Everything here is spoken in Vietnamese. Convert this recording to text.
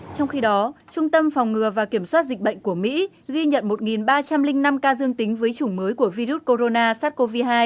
trong khi đó trung tâm phòng ngừa và kiểm soát dịch bệnh của mỹ ghi nhận một ba trăm linh năm ca dương tính với chủng mới của virus corona sars cov hai